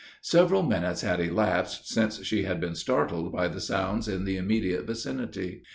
Several minutes had elapsed since she had been startled by the sounds in the immediate vicinity.